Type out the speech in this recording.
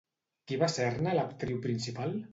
Qui va ser-ne l'actriu principal?